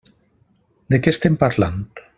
De què estem parlant?